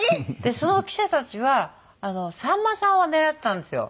その記者たちはさんまさんを狙ってたんですよ。